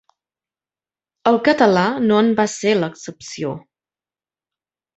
El català no en va ser l'excepció.